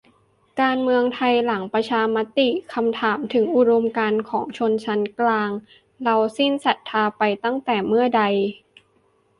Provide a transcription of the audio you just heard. การเมืองไทยหลังประชามติ คำถามถึงอุดมการณ์ของชนชั้นกลาง เราสิ้นศรัทธาไปตั้งแต่เมื่อใด ?